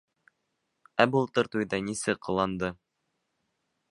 Ә былтыр туйҙа нисек ҡыланды.